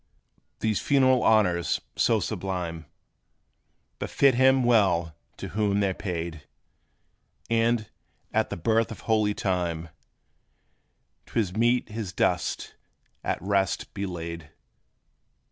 These funeral honors, so sublime, Befit him well to whom they 're paid; And, at the birth of holy time, 'T is meet his dust at rest be laid.